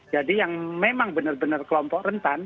jadi yang memang benar benar kelompok rentan